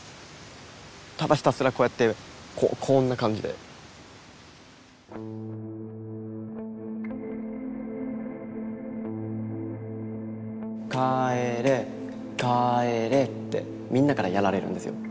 ただひたすらこうやってこうこんな感じで。ってみんなからやられるんですよ。